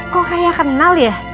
kok kayak kenal ya